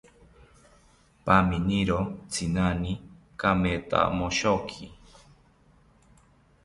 Paminiro tzinani kamethamoshoki